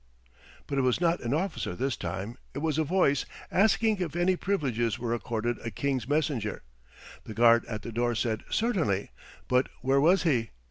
But it was not an officer this time. It was a voice asking if any privileges were accorded a King's messenger. The guard at the door said certainly, but where was he?